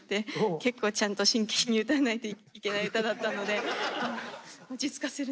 結構ちゃんと真剣に歌わないといけない歌だったので落ち着かせるのが大変で。